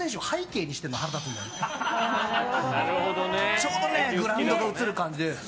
ちょうどグラウンドが写る感じで。